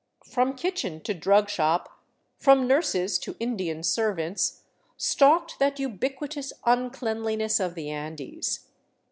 From kitchen to drug shop, from nurses to Indian servants, stalked that ubiquitous uncleanliness of the Andes.